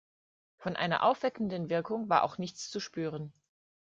Von einer aufweckenden Wirkung war auch nichts zu spüren.